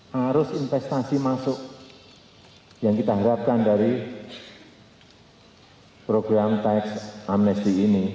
harus investasi masuk yang kita harapkan dari program tax amnesti ini